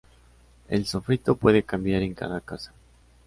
El sofrito puede cambiar en cada casa.